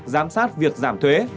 giám sát việc giảm thuế